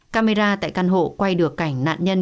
camera tại căn hộ quay được cảnh nạn nhân